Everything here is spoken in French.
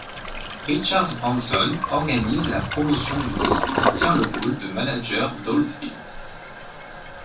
Richard Branson organise la promotion du disque et tient le rôle de manager d'Oldfield.